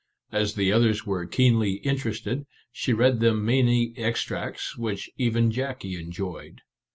As the others were keenly interested, she read them many ex tracts, which even Jackie enjoyed.